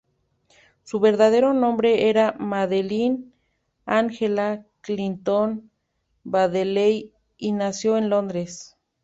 Su verdadero nombre era Madeline Angela Clinton-Baddeley, y nació en Londres.